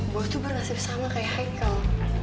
boy tuh bernasib sama kayak heikel